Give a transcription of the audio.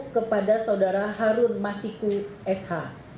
kepada saudara harun masiku sh